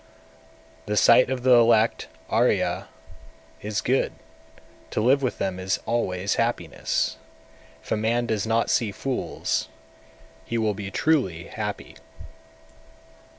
206. The sight of the elect (Arya) is good, to live with them is always happiness; if a man does not see fools, he will be truly happy.